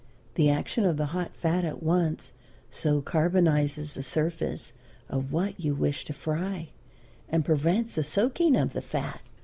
The action of the hot fat at once so carbonizes the surface of what you wish to fry, and prevents the soaking of the fat.